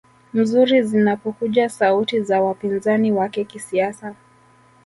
mzuri zinapokuja sauti za wapinzani wake kisiasa